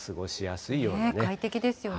快適ですよね。